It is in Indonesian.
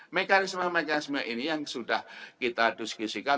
mekanisme mekanisme ini yang sudah kita diskusikan